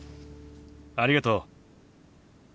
ありがとう。